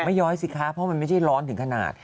ย้อยสิคะเพราะมันไม่ใช่ร้อนถึงขนาด